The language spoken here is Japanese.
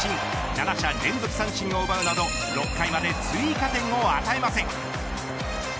７者連続三振を奪うなど６回まで追加点を与えません。